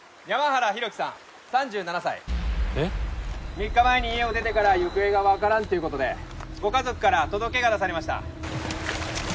３日前に家を出てから行方がわからんという事でご家族から届が出されました。